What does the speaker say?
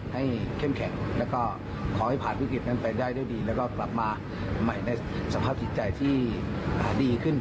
เข้มแข็งแล้วก็ขอให้ผ่านวิกฤตนั้นไปได้ด้วยดีแล้วก็กลับมาใหม่ในสภาพจิตใจที่ดีขึ้น